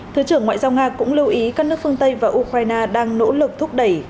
thứ trưởng ngoại giao nga cũng lưu ý các nước phương tây và ukraine đang nỗ lực thúc đẩy